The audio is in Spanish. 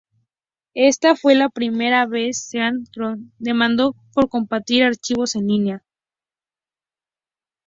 Esta fue la primera vez Sean Cody demandó por compartir archivos en línea.